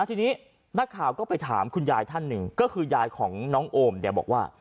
ทีนี้นักข่าวก็ไปถามคุณยายท่านหนึ่งก็คือยายของน้องโอมเนี่ยบอกว่า